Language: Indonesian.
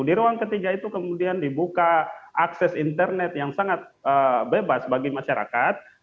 di ruang ketiga itu kemudian dibuka akses internet yang sangat bebas bagi masyarakat